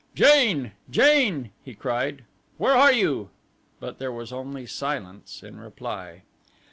"Jane, Jane," he cried, "where are you?" But there was only silence in reply.